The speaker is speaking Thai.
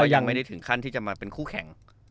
ยังไม่ได้ถึงขั้นที่จะมาเป็นคู่แข่ง